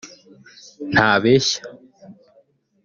Ntabeshya